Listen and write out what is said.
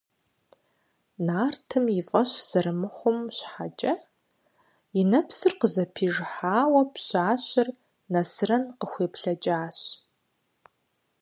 Нартым и фӀэщ зэрымыхъум щхьэкӀэ и нэпсыр къызэпижыхьауэ пщащэр Нэсрэн къыхуеплъэкӀащ.